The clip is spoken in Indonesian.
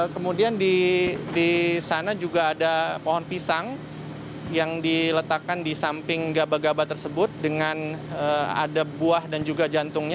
kemudian di sana juga ada pohon pisang yang diletakkan di samping gabah gabah tersebut dengan ada buah dan juga jantungnya